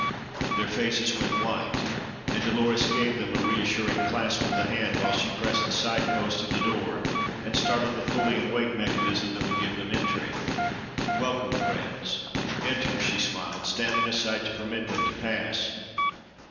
Their faces went white, and Dolores gave them a reassuring clasp of the hand while she pressed the side post of the door and started the pulley and weight mechanism that would give them entry. "Welcome, friends. Enter," she smiled, standing aside to permit them to pass.